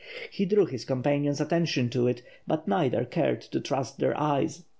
He drew his companion's attention to it, but neither cared to trust their eyes.